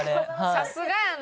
さすがやな。